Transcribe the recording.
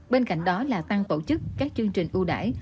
bên cạnh đó là tăng tổ chức các chương trình ưu đải